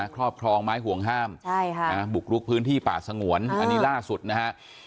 ครอบครองไม้ห่วงห้ามบุกลุกพื้นที่ป่าสงวนอันนี้ล่าสุดนะฮะ